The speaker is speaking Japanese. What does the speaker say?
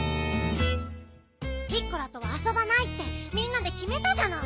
ピッコラとはあそばないってみんなできめたじゃない。